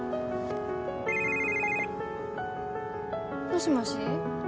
もしもし。